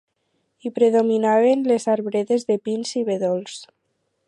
Hi predominaven les arbredes de pins i bedolls.